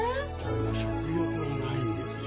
食欲がないんですよ。